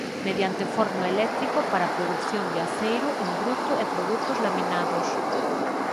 Mediante forno eléctrico para a produción de aceiro en bruto e produtos laminados.